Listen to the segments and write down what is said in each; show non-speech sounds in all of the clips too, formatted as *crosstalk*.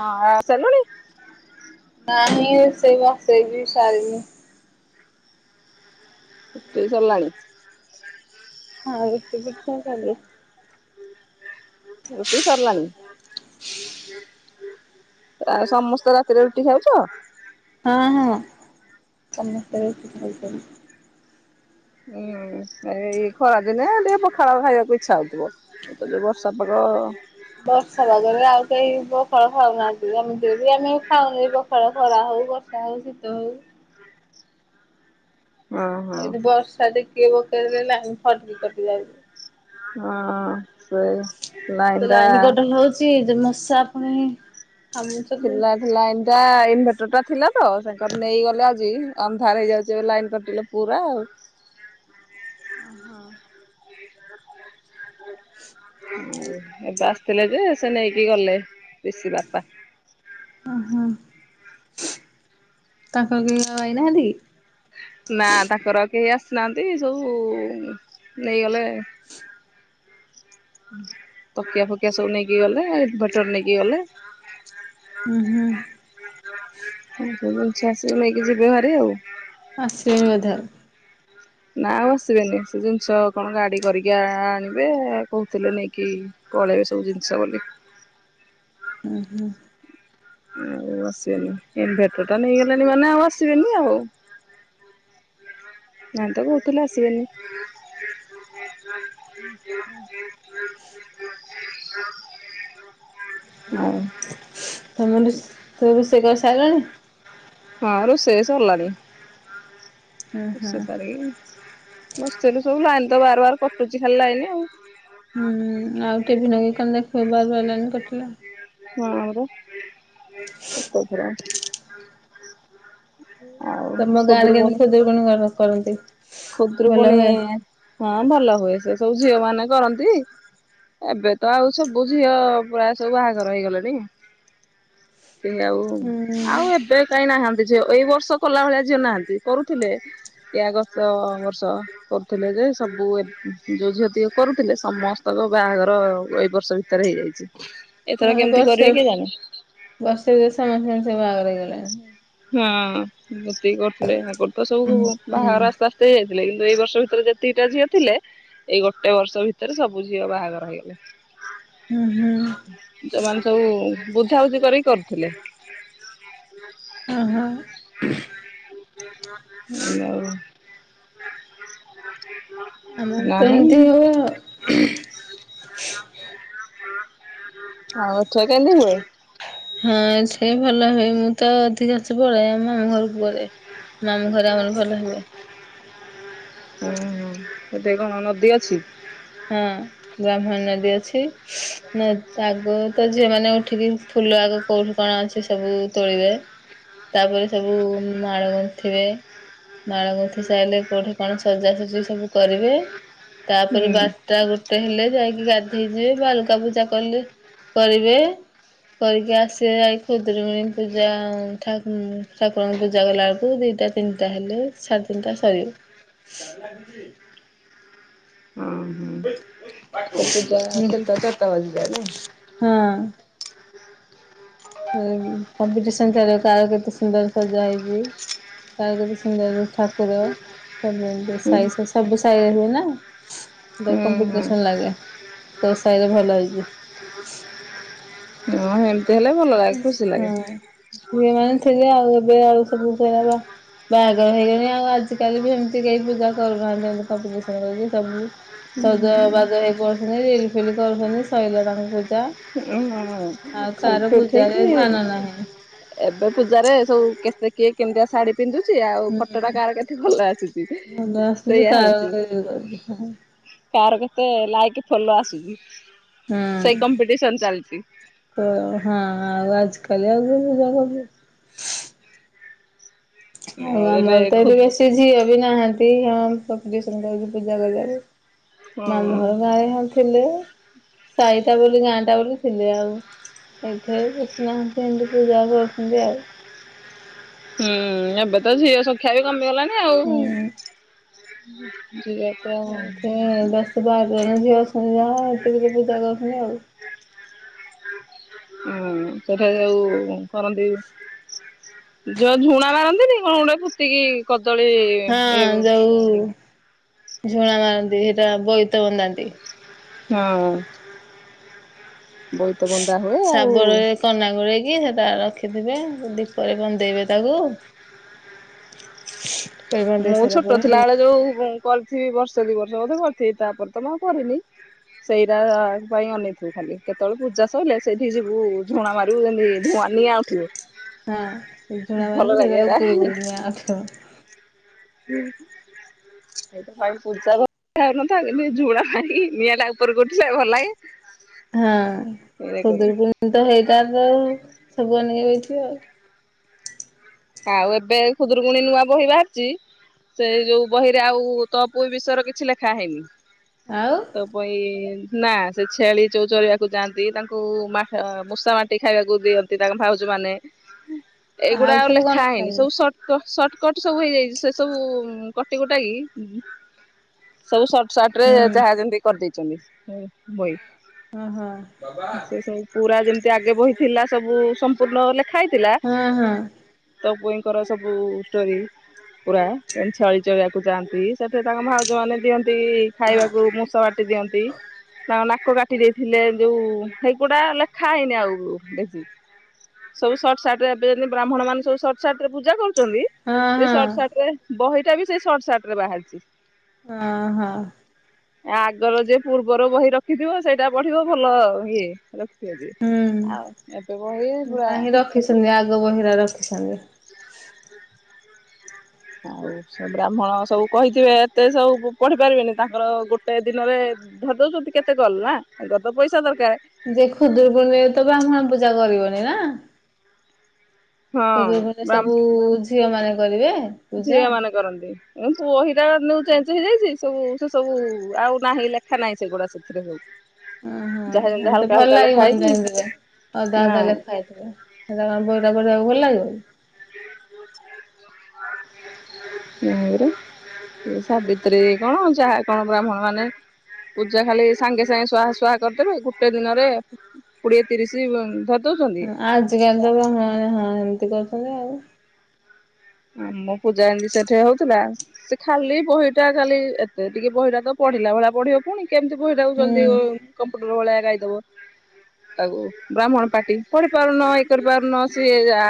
ହଁ ଅଁ ଆ ସେଲୁଣି ନାହିଁ ରୋଷେଇ ବସେଇଚି ସାରିବି। ରୋଷେଇ ସାଲାଣି? *unintelligible* ରୁଟି ସରିଲାଣି? ଆ ସମସ୍ତେ ରାତିରେ ରୁଟି ଖାଉଚ? ହଁ ହଁ ସମସ୍ତେ ରୁଟି ଖାଉଚନ୍ତି। ହୁଁ ଏଇ ଖରାଦିନେ ଟିକେ ପଖାଳ ଖାଇବାକୁ ଇଚ୍ଛା ହଉଥିବ। ଏ ଯଉ ବର୍ଷା ପାଗ ଅ ବର୍ଷା ପାଗରେ ଆଉ କେହି ପଖାଳ ଖାଉନାହାନ୍ତି ଏମିତି ରେ ବି ଆମେ ଖାଉନି ପ ପଖାଳ ଖରା ହଉ ବର୍ଷା ହଉ ଶୀତ ହଉ ହଁ ଏଇଠି ବର୍ଷା ଟିକିଏ ପକେଇଦେଲେ ଲାଇନି ଫଟିକି କଟି ଯାଉଚି। ହଁ ଅଁ ତ ଲାଇନି କଟା ହଉଛି ଯେ ମଶା ଆ ପୁଣି କାମୁଡୁଚନ୍ତି ଲାଇନା ଟା ଇନଭର୍ଟରଟା ଥିଲା ତ ସେଟା ନେଇଗଲେ ଆଜି ଅନ୍ଧାର ହେଇଯାଉଛି ଏବେ ଲାଇନ୍ କଟିଲେ। ପୁରା ଆଉ। ଓ ହୋ ଏବେ ଆସିଥିଲେ ଯେ ସେ ନେଇକି ଗଲେ ରିଷି ବାପା। ଓହୋ। ତାଙ୍କ କେହି ଆଇନାହାନ୍ତି କି? ନା ତାଙ୍କର କେହି ଆସିନାହାନ୍ତି ସବୁ ନେଇଗଲେ। ତକିଆ ଫକିଆ ସବୁ ନେଇକି ଗଲେ ଇନଭଟର ନେଇକି ଗଲେ। ହୁଁ ହୁଁ *unintelligible* ଆସିକି ନେଇକି ଯିବେ ହେରି ଆଉ। ଆସିବେ ବୋଧେ ଆଉ ନା ଆଉ ଆସିବେନି ସେ ଜିନିଷ କଣ ଗାଡି କରିକି ଆଣିବେ କହୁଥିଲେ ନେଇକି ପଳେଇ ସବୁ ଜିନିଷ ବୋଲି। ଆଉ ଆସିବେନି ଇନଭଟର ଟା ନେଇଗଲେଣି ମାନେ ଆଉ ଆସିବେନି ଆଉ। ନାଇଁ ତ କୋଉଥିଲେ ଆସିବେନି। ହୁଁ। ତମେ ରୁ ତମେ ରୋଷେଇ କରିସାରିଲଣି? ହଁ ରୁଷେଇ ସଲାଆଣି ହୁଁ *unintelligible* ହୁଁ। ରୋସେଇ ସବୁ ଲାଇନ ତ ବାର ବାର କଟୁଛି ଖାଲି ଲାଗନି ଆଉ। ହୁଁ ଆଉ ଟଭି ନଗେଇକି କଣ ଦେଖିବ ବାର ବାର ଲାଇନି କଟିଲା। ହଁ ଆ ଗତ *unintelligible* ତମ ଗାଁ ରେ କେମିତି ଖୁଦୁରୁ କୁଣୀ କରନ୍ତି? ଭଲ ଖୁଦରୁକୁଣ ହୁଏ? ହଁ ଭଲ ହୁଏ ସେ ସବୁ ଝିଅ ମାନେ କରନ୍ତି। ଏବେ ତ ଆଉ ସବୁ ଝିଅ ପ୍ରାୟ ସବୁ ବାହାଘର ହେଇଗଲେଣି। କେହି ଆଉ ହୁଁ ଆଉ ଏବେ କାଇ ନାହାନ୍ତି ଝିଅ ଏଇ ବର୍ଷ କଲା ଭଳିଆ ଝିଅ ନାହାନ୍ତି କରୁଥିଲେ ଏ ଆଗ ତ ବର୍ଷ କରୁଥିଲେ ଯେ ସବୁଏ ଯୋଉ ଝିଅ ତିକ କରୁଥିଲେ ସମସ୍ତଙ୍କ ବାହାଘର ଏଇ ବର୍ଷ ଭି ତରେ ହେଇଯାଇଛି। ଏଥର ହଁ କେମିତି ବର୍ଷେ କରିବେ କେଜାଣି? ବର୍ଷେ ସମସ୍ତ ସେ ବାହାଘରେ ହେଇଗଲେଣି। ହଁ ଏତିକି କରୁଥିଲେ ଆଗରୁ ତ ସବୁ ବାହାଘର ଆସ୍ତେ ଆ ଶେ ହେଇଯାଇଥିଲେ କିନ୍ତୁ ଏଇ ବର୍ଷ ଭିତରେ ଯେତିିକି ଟା ଝିଅ ଥିଲେ ଏଇ ଗୋଟେ ବର୍ଷ ଭିତରେ ସବୁ ଝିଅ ବାହାଘର ହେଇଗଲେ। ହୁଁ ହୁଁ। ଯୋଉମାନେ ସବୁ ବୁଝାବୁଝି କରିକି କରୁଥିଲେ। ଓହୋ। ହୁଁ *unintelligible* ମୁଁ ତ ଏମିତି ହୁଏ ଆଉ। ଆଉ ଅଛ କେି ହୁଏ *unintelligible* ହଁ ସେ ଭଲ ହୁଏ ମୁଁ ତ ଅଧିକାଷ ପଳାଏ ଆମ ଘରକୁ ପଳାଏ। ମାମୁ ଘରେ ଆମର ଭଲ ହୁଏ। ହୁଁ ହ ଏଠ କଣ ନଦୀ ଅଛି *unintelligible* ହଁ। ବ୍ରାହ୍ମଣ ନଦୀ ଅଛି ଆଗ ତ ଝିଅମାନେ ଉଠିକି ଫୁଲ ଆଗ କୋଉଠୁ କଣ ଅଛି ସବୁ ତୋଳିବେ। ତାପରେ ସବୁ ମାଳ ଗୁନ୍ଥିବେ ମାଳ ଗୁନ୍ଥିି ସାରିଲେ କୋଉଠି କଣ ସଜାସଜି ସବୁ କରିବେ ହୁଁ ତାପରେ ବା ଟା ଗୋଟେ ହେଲେ ଯାଇକି ଗାଧେଇଯିବେ ବାଲୁକା ପୂଜା କଲେ କରିବେ। କରିକି ଆସିବେ ଯାଇ ଖୁଦୁରୁକୁଣୀ ପୂଜା ଠାକୁରଙ୍କୁ ପୂଜା କଲା ବେଳକୁ ଦିଟା ତିନିଟା ହେଲେ ସାଢ଼େ ତିନିଟା ସରିବ। ହଁ ହୁଁ ତ ପୂଜା ସନ୍ତାା ଆଟା ବାଜିି ଯା ନାଇଁ *unintelligible* ହଁ। ହଁ କମ୍ପିଟିସନ ଚାଲିବ କେତେ ସୁନ୍ଦର ସଜା ହେଇଛି। *unintelligible* ସୁନ୍ଦର ଠାକୁର ସବୁ *unintelligible* ହୁଁ ସାଇ *unintelligible* ସବୁ ସାଇ *unintelligible* ବେନା କମ୍ପିଟିସନ ହୁଁ ଲାଗେ କୋଉ ସାହିରେ ଭଲ ହେଇଛି। ହଁ ଏମିତି ହେଲେ ଭଲ ଲାଗେ ଖୁସି ଲାଗେ। ଝିଅ ମାନେ ଥିବେ ଆଉ ଏବେ ଆଉ ସବୁ ସେୟାପା। ବାହାଘର ହେଇଗଲେଣି ଆଉ ଆଜିକାଲି ବି ଏମିତି କେହି ପୂଜା କରୁନାହାନ୍ତି ଏମିତି କମ୍ପିଟିସନ କରିକି ସବୁ ସଜବାଜ ହେଇ ପଡୁଛନ୍ତି ରିଲ ଫିଲ କରୁଛନ୍ତି ସଇଲା ତାଙ୍କ ପୂଜା। ଓ ହଁ ହଁ ଆଉ କାହାର ଫଟ ପୂଜାରେ ଉଠେଇକି ଧ୍ୟାନ ନାହିଁ। ଏବେ ପୂଜାରେ ସବୁ କେତେ କିଏ କେମିତିଆ ଶାଢୀ ପିନ୍ଧୁଛି ଆଉ ହୁଁ ଫଟୋଟା କାହାର କେତେ ଭଲ ଆସୁଛି ଭଲ ଆସୁଛି ସେୟା କାହାର ହେଉଛି। ହୁଁ। କାହାର କେତେ ଲାଇକି ଫଲୋ ଆସୁଛି। ହଁ ସେଇ କମ୍ପିଟିସନ ଚାଲିଛି କ ହଁ ଆଉ ଆଜି କାଲି ଆଉ କିଏ ପୂଜା କରୁଛି। ଆଉ ଆମର ଏବେ ତ ଏଠି ଖୁଦ ବେଶୀ ଝିଅ ବି ନାହାନ୍ତି ହଁ କଂପିଟିସନ କରିକି ପୂଜା କରିବାକୁ। ହୁଁ ମାମୁଁଘାର ଗାଁରେ ହଁ ଥିଲି ସାଇଟା ବୋଲି ଗାଁ ଟା ବୋଲି ଥିଲି ଆଉ ଏଠେଇ ବେଶୀନାହାନ୍ତି ଏମିତି ପୂଜା କରୁଛନ୍ତି ଆଉ। ହୁଁ ଏବେ ତ ଝିଅ ସଂଖ୍ୟା ବି କମିଗଲାଣି ଆଉ। ହୁଁ *inaudible* ଏଇଥିରେ ଦଶ ବାର ଜଣ ଝିଅ ଅଛନ୍ତି ଯାହା ଏତିକିରେ ପୂଜା କରୁଛନ୍ତି ଆଉ। *inaudible* ହୁଁ ସେଠାରେ ଯଉ କରନ୍ତି। ଯଉ ଝୁଣା ମାରନ୍ତିନି କଣ ଗୋଟେ ଫୁତିକି କଦଳୀ ହଁ ଯୋଉ *unintelligible* ଝୁଣା ମାରନ୍ତି ସେଇଟା ବୋଇତ ବନ୍ଦାନ୍ତି। ହଁ। ଶାବଳ ରେ କନା ଗୁରେଇକି ସେଟା ରଖିଥିବେ ଦୀପରେ ବନ୍ଦେଇବେ ତାକୁ। ଦୀପରେ ବନ୍ଦେଇ ମୁଁ ସାରିଲା ଛୋଟ ପରେ ଥିଲା ହଁ ବଳେ ଯୋଉ ଉ କରିଥିବି ବର୍ଷେ ଦି ବର୍ଷ ବୋଧେ କରିଥିବି ତାପରେ ତ ମୁଁ ଆଉ କରିନି। ସେଇଟା ପାଇଁ ଅନେଇ ଥିବୁ ଖାଲି କେତେବେଳେ ପୂଜା ସଇଲେ ସେଇଠି ଯିବୁ ଝୁଣା ମାର *unintelligible* ଧୂଆଁ ନିଆଁ ଉଠିବ ହଁ ଝୁଣା ଭଲ ମାରିଲେ ଲାଗେ ସେଟା ହେରା ଉପରକୁ ନିଆଁ ଉଠିବ। ହୁଁ। *inaudible* ଭାଇ ପୂଜା କରୁଥାଉ ନ ଥାଉ ନିଆଁଟା ଉପରକୁ ଉଠିଲେ ଭଲ ଲାଗେ। ହଁ ଏଇରା କରୁ। ଖୁଦୁରୁକୁଣୀ ତ ହେଇଟା ତ ସବୁ ଅନେଇକି ବଇ ଥିବେ ଆଉ। ଆଉ ଏବେ ଖୁଦୁରୁକୁଣୀ ନୂଆ ବହି ବାହାରିଛି। ସେଇ ଯୋଉ ବହିରେ ଆଉ ତଅପୋଇ ବିଷୟରେ କିଛି ଲେଖା ହେଇନି। ଆଉ। ତଅପୋଇ ନା ସେ ଛେଳି ଯଉ ଚରେଇବାକୁ ଯାଆନ୍ତି ତାଙ୍କୁ ମା ମୂଷା ମାଟି ଖାଇବାକୁ ଦିଅ ସେ ତାଙ୍କ ଭାଉଜମାନେ ଏଇଗୁଡା ଆଉ ଲେ ସବୁ କଣ ଖାଇବେ? ସଟକ ସର୍ଟକଟ ସବୁ ହେଇଯାଇଛି ସେ ସବୁ କଟି କୁଟା କି। ସବୁ ସର୍ଟସାଟ ରେ ହୁଁ ଜାହା ଯେମିତି କରିଦେଇଛନ୍ତି। ଓହୋ *unintelligible* ପୁରା ଯେମିତି ଆଗେ ବହି ଥିଲା ସବୁ ସମ୍ପୂର୍ଣ୍ଣ ଲେଖା ହେଇ ହୁଁ ହୁଁ। ତଅପୋଇଙ୍କର ସବୁ ଷ୍ଟୋରି। ପୁରା ଛେଳି ଚରେଇବାକୁ ଯାଆନ୍ତି ସେଥିରେ ତାଙ୍କ ଭାଉଜ ମାନେ ଦିଅନ୍ତି ଖାଇବାକୁ ମୂଷ ତ ଟି ଦିଅନ୍ତି। ତାଙ୍କ ନାକ କାଟି ଦେଇଥିଲେ ଯୋଉ ହେଇଗୁଡା ଲେଖା ହେଇନି ଆଉ ବେଶି। ସବୁ ସଟସାଟରେ ଏବେ ଜେମତି ବ୍ରହ୍ମଣ ମାନ ସବୁ ସଟସାଟ୍ ରେ ପୂଜା କରୁଛନ୍ତି ହଁ ସେ ହଁ ସଟସାଟରେ ବହି ଟା ବି ସେ ସର୍ଟାର୍ଟ ରେ ବାହାରିଛି। ଅ ହଁ। ଆଗର ଯିଏ ପୂର୍ବର ବହି ରଖିଥିବ ସେଇଟା ପଢିବ ଭଲ ଇଏ ଆଉ ହୁଁ ଏବେ ବହି ପୁରା ନାହିଁ ରଖିଛନ୍ତି ଆଗ ବହିରା ରଖିଛନ୍ତି। ଆଉ ବ୍ରାହ୍ମଣ ସବୁ କହିଥିବେ ଏତେ ସବୁ ପଢି ପାରିବେନି ତାଙ୍କର ଗୋଟେ ଦିନରେ ଧର ଦଉଛନ୍ତି କେତେ କଲ୍ ନା ତାଙ୍କର ତ ପଇସା ଦରକାର। ଯେ ଖୁଦୁରୁକୁଣୀ ରେ ତ ବ୍ରାହ୍ମଣ ପୂଜା କରିବନି ନା। ହଁ ଯୋଉ ମାନେ ବ୍ରାହ୍ମ ସବୁ ଝିଅ ମାନେ କରିବେ। ପୂଜା ଝିଅ ମାନେ କରନ୍ତି। ପୁ ପହିଟା ନଉ ଚେଞ୍ଜ ହେଇଯାଇଛି ସବୁ ସେ ସବୁ ଆଉ ନାହିଁ ଲେଖା ନାହିଁ ସେଗୁଡା ସେ *unintelligible* ଉଁ ହୁଁ, ଏମ ତ ଭଲ ଲାଗିବନି ହେଇଛି ତ ଏମିତି କଲେ ମୁଁ ଜାଣିଥିବେ ଆଦା ଆଦା ନାଇଁ ଲେ ଖାଇଥିବେ। ସେଟା କଣ ବହି ଟା ପଢ଼ିବାକୁ ଭଲ୍ *unintelligible* *inaudible* ମୋର। ସାବିତ୍ରୀ କଣ ଜାହା କଣ ବ୍ରାହ୍ମଣ ମାନେ ପୂଜା ଖାଲି ସାଙ୍ଗେ ସାଙ୍ଗେ ସୁଆ ସୁୁହା କରିଦେବେ ଗୋଟେ ଦିନରେ କୋଡିଏ ତିରିଶ ଉନ୍‌ ଆଜିକାଲି *unintelligible* ହଁ ଏମିତି କରୁଛନ୍ତି ଆଉ। ଆମ ପୂଜା ଏମତି ସେଠି ହଉଥିଲା। ସେ ଖାଲି ବହିଟା ଖାଲି ଏତେ ଟିକେ ବହିଟା ତ ପଢିଲା ଭଳିଆ ପଢିବ ପୁଣି। କେମତି ବହିଟାକୁ ଜଲଦି ହୁଁ କମ୍ପ୍ୟୁଟର ଭଳିଆ ଗାଇଦବ। ତାକୁ ବ୍ରାହ୍ମଣ ପାଟି ପଢି ପାରୁନ ଇ କରି ପାରୁନ ସିଏ ଯା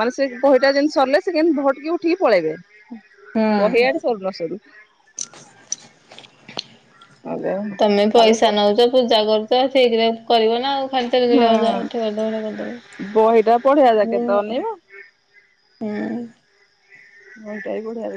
ମାନେ ସେ ବହିଟା ଯେମିତି ସରିଲେ ସେ କେମତି ଭଟ୍ କି ଉଠିକି ପଳେଇବେ। ହୁଁ। ବହି ଇଆଡେ ସରୁ ନ ସରୁ ଆଜ୍ଞା ତମେ ଖାଲି ପ ପଇସା ନଉଛ ପୂଜା କରୁଛ ଠିକ ରେ କରିବ ନା ଆଉ ହୁଁ ତେଗିଲ ଆଯା ଏଠା କରିଦ ଏଇଠା କରିଦବୁ ବହିଟା ପଢିଆ ଯାକେ ତ *unintelligible* ହୁଁ। ଅନେଇବ। *unintelligible* ମେଡ଼ିକାଲ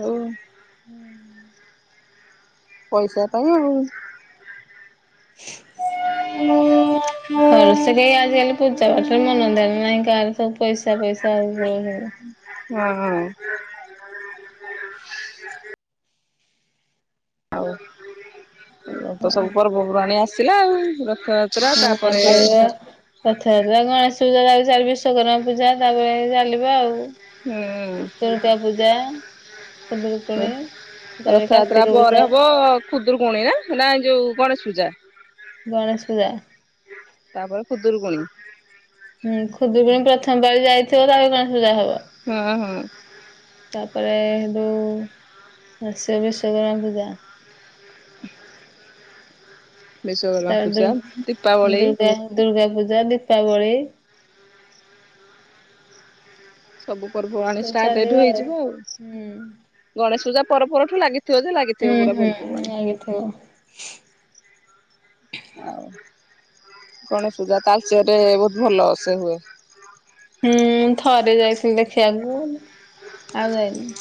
ହୋଉ। ହୁଁ। ପଇସା ପାଇଁ ଆଉ। *inaudible* *unintelligible* ଭଲସେ ବି ଆଜିକାଲି ପୂଜା ପାଠରେ ମନ ଦେଲେ ନାହିଁ ଗାଁରେ ସବୁ ପଇସା ଫଇସା *unintelligible* ହଁ। ଆଉ ତ ସବୁ ପର୍ବପର୍ବାଣି ଆସିଲା ଆଉ ରଥ ଯାତ୍ରା ହଁ ତାପରେ ଆଗକୁ ରଥଯାତ୍ରା କ ଆସିଲା ତା ପରେ ବିଶ୍ୱକର୍ମା ପୂଜା ତାପରେ ଚାଲିବ ଆଉ ହୁଁ। ଦୁର୍ଗା ପୂଜା, ହୁଁ ଖୁଦୁରୁକୁଣୀ, ତାପରେ କାର୍ତ୍ତିକ ପୂଜା। ଖୁଦରୁକୁଣୀ ଆଁ ନା ଯୋଉ ଗଣେଶ ପୂଜା ଗଣେଶ ପୂଜା। ତାପରେ ଖୁଦୁରୁକୁଣୀ। ହୁଁ ଖୁଦୁରୁକୁୁଣି ପ୍ରଥମ ପାଳି ଯାଇ ଥିବ, ତାପରେ ଗଣେଶ ପୂଜା ହବ। ହଁ ହଁ। ତାପରେ ଯୋଉ ସେବେ ସେ ବିଶ୍ୱଵକର୍ମା ପୂଜା। ବିଶ୍ଵକର୍ମା ତାପରେ ଦୁ ପୂଜା, ଦୀପାବଳି ଦୁର୍ଗା ଦୁର୍ଗା ପୂଜା, ଦୀପାବଳି। ସବୁ ପର୍ବ ପର୍ବାଣୀ ତାପରେ ଷ୍ଟାର୍ଟ ଚାଲିବ ଏଇଠୁ ହେଇଯିବ ଆଉ, ହୁଁ। ଗଣେଶ ପୂଜା ପର ପରଠୁ ଲାଗିଥିବ ଯେ ଲାଗି ହୁଁ ଥିବ ପୁରା ହୁଁ ପର୍ବ ପର୍ବାଣୀ। ଲାଗିଥିବ ଗଣେଶ ପୂଜା ତାଲଚେରେ ବହୁତ ଭଲ ସେ ହୁଏ। ହୁଁ ଥରେ ଯାଇଥିଲି ଦେଖିବାକୁ, ଆଉ ଯାଇନି।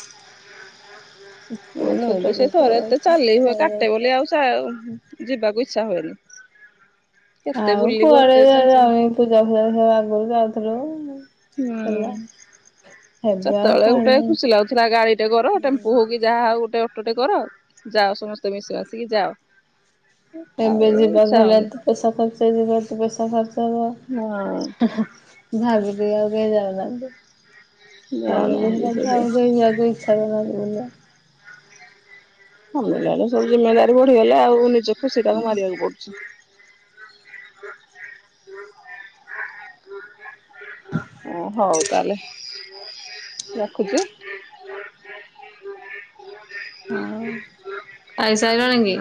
ଉଁ ପୁଅ ମୁ ଛୋଟ ବି ସେଇ ଥିଲା ଥରେ ଏତେ ଯାଇଥିଲି ଚାଲି ହୁଏ ଥରେ ଯାଇଥିଲି। କାଟେ ବୋଲି ଆଉ ଯା ଯିବାକୁ ଇଚ୍ଛା ହୁଏନି। କେତେ ଆଉ ବୁଲିବ କୁଆଡେ ଏତେ ଚାଲି ଇଆଡେ ଚାଲି ଆଉ ହୁଁ। ଏ ପୂଜା ଫୁଜା ସବୁ ଆଗରୁ ଯାଉଥୁଲୁ। ହୁଁ ଏବେ ଆଉ ସେତେବେଳେ କୁଆଡେ ଗୋଟେ ଯାଉନି। ଖୁସି ଲାଗୁଥିଲା ଗାଡି ଟେ କର ଟେମ୍ପୁ ହୁଁ ହଉକି ଯାହା ହଉ ଗୋଟେ ଅଟୋଟେ କର ଯାଅ ସମସ୍ତେ ମିଶି ମାଶିକି ଯାଅ। ଆଉ ଏବେ ଯିବାକୁ ଇଚ୍ଛା ଗଲେ ହଉନି ଏତେ ପଇସା ଖର୍ଚ୍ଚ ହେଇଯିବ, ଏତେ ପଇସା ଖର୍ଚ୍ଚ ହବ। ହଁ। ଭାବିକି ଆଉ କେହି ଯାଉନାହାନ୍ତି, ଫାମିଲି ଯାଉନାହାନ୍ତି ହେଲା ଠୁ ସେ ଆଉ କେହି ଯିବାକୁ ଇଛା ଇଚ୍ଛା କରୁନାହାନ୍ତି ବୁଲିବା। କମିଲାଣି ସବୁ ଜିମେଦାରି ବଢିଗଲେ ଆଉ ନିଜେ ଖୁସି କାହାକୁ ମାରିବାକୁ ପଡୁଛି। *unintelligible* ହଉ ତାହେଲେ ରଖୁଚି। ଖାଇ ସାଇଲଣି କି?